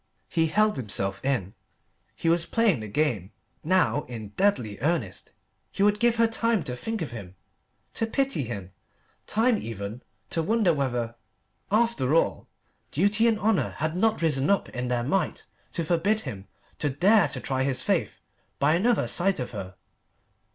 He held himself in; he was playing the game now in deadly earnest. He would give her time to think of him, to pity him time even to wonder whether, after all, duty and honour had not risen up in their might to forbid him to dare to try his faith by another sight of her.